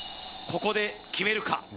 ここで決めるか？